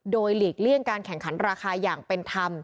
โดยหลีกเลี่ยงการแข่งขันราคาอย่างเป็นธรรม